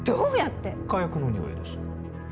火薬のにおいです。